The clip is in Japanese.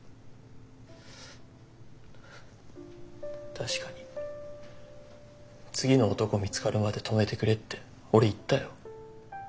確かに次の男見つかるまで泊めてくれって俺言ったよ。